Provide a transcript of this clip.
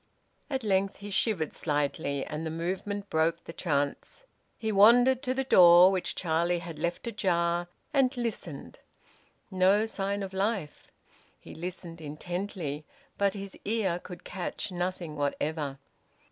At length he shivered slightly, and the movement broke the trance. He wandered to the door, which Charlie had left ajar, and listened. No sign of life! He listened intently, but his ear could catch nothing whatever.